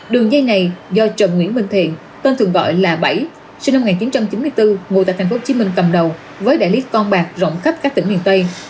đường dây này do trần nguyễn minh thiện tên thường gọi là bảy sinh năm một nghìn chín trăm chín mươi bốn ngụ tại tp hcm cầm đầu với đại lý con bạc rộng khắp các tỉnh miền tây